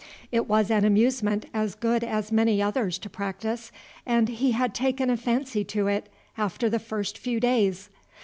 It was an amusement as good as many others to practise, and he had taken a fancy to it after the first few days.